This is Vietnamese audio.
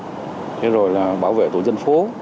thế rồi là bảo vệ tổ dân phố